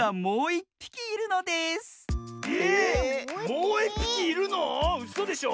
もういっぴきいるの⁉うそでしょ。